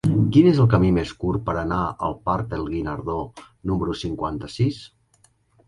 Quin és el camí més curt per anar al parc del Guinardó número cinquanta-sis?